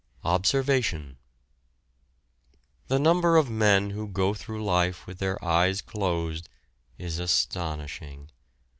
OBSERVATION. The number of men who go through life with their eyes closed is astonishing.